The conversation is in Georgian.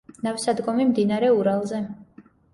ნავსადგომი მდინარე ურალზე.